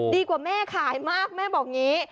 ดีกว่าแม่ขายมากแม่บอกอย่างนี้